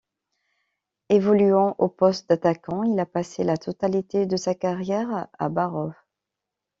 Évoluant au poste d'attaquant, il a passé la totalité de sa carrière à Barrow.